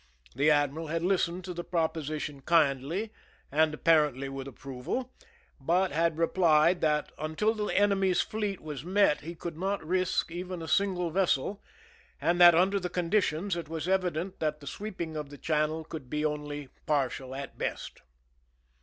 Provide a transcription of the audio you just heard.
The admiral had listened to the proposition kindly and apparently with approval, but had replied that until the enemy's fleet was met he could not risk even a single vessel, and that, under the conditions, it was evident that the. sweeping of the channel could be only partial at best.